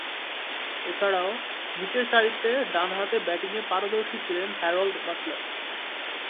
এছাড়াও নিচেরসারিতে ডানহাতে ব্যাটিংয়ে পারদর্শী ছিলেন হ্যারল্ড বাটলার।